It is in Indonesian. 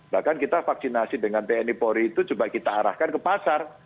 bahkan kita vaksinasi dengan tni polri itu coba kita arahkan ke pasar